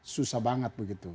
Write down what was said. susah banget begitu